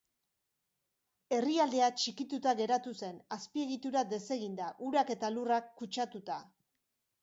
Herrialdea txikituta geratu zen, azpiegitura deseginda, urak eta lurrak kutsatuta.